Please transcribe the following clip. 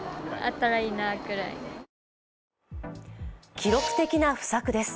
記録的な不作です。